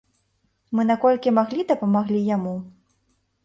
Мы наколькі маглі дапамаглі яму.